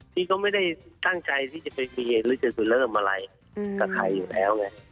ที่ก็ไม่ได้ตั้งใจที่จะไปมีเหตุหรือจะไปเริ่มอะไรกับใครอยู่แล้วไง